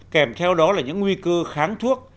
kèm theo đó là những nguy cư kháng thuốc